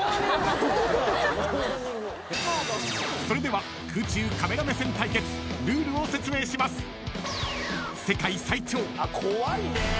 ［それでは空中カメラ目線対決ルールを説明します］